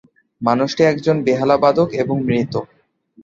মানুষটি একজন বেহালাবাদক এবং মৃত।